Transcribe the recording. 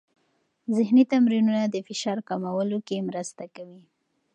ذهني تمرینونه د فشار کمولو کې مرسته کوي.